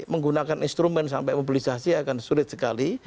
menggunakan instrumen sampai mobilisasi akan sulit sekali